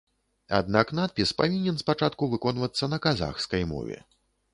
Аднак надпіс павінен спачатку выконвацца на казахскай мове.